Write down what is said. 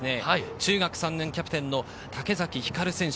中学３年、キャプテンのたけざきひかる選手。